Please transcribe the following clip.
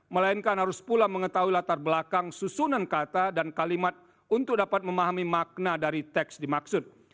melainkan harus pula mengetahui latar belakang susunan kata dan kalimat untuk dapat memahami makna dari teks dimaksud